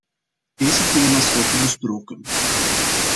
Deze thema’s worden besproken.